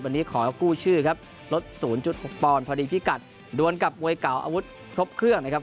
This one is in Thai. วันนี้ขอกู้ชื่อครับลด๐๖ปอนด์พอดีพิกัดดวนกับมวยเก่าอาวุธครบเครื่องนะครับ